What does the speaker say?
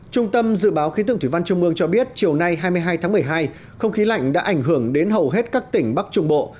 trung tâm dự báo khí tượng thủy văn trung mương cho biết chiều nay hai mươi hai tháng một mươi hai không khí lạnh đã ảnh hưởng đến hầu hết các tỉnh bắc trung bộ